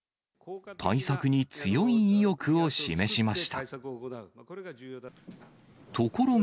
対策に強い意欲を示しました。